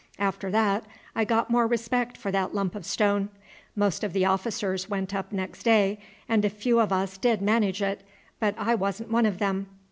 After that I got more respect for that lump of stone. Most of the officers went up next day, and a few of us did manage it, but I wasn't one of them.